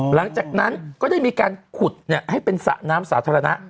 หลังจากนั้นก็ได้มีการขุดให้เป็นสระน้ำสาธารณะ